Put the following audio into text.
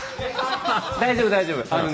大丈夫大丈夫。